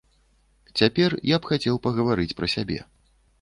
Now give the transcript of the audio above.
Цяпер я б хацеў пагаварыць пра сябе.